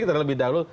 kita tahan dulu